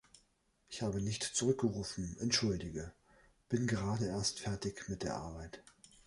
Ich habe nicht zurückgerufen, entschuldige. Bin gerade erst fertig mit der Arbeit.